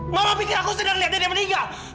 mama pikir aku sedang lihat dia meninggal